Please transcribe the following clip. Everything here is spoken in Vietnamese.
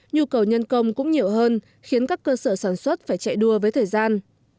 nhu cầu nhân công cũng nhiều hơn khiến các cơ sở sản xuất phải chạy đua với thời gian